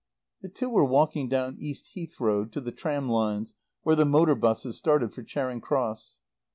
The two were walking down East Heath Road to the tram lines where the motor buses started for Charing Cross.